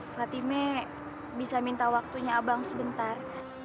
fatime bisa minta waktunya abang sebentar